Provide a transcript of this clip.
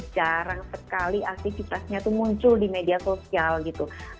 jarang sekali aktivitasnya itu muncul di media sosial gitu